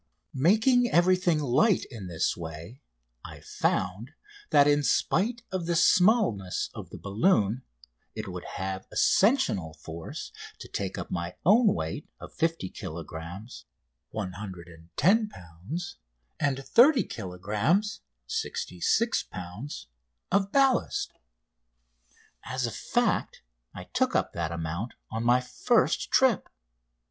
Making everything light in this way I found that, in spite of the smallness of the balloon, it would have ascensional force to take up my own weight of 50 kilogrammes (110 lbs.) and 30 kilogrammes (66 lbs.) of ballast. As a fact, I took up that amount on my first trip.